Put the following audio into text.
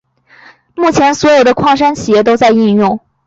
目前所有的矿山企业都在应用。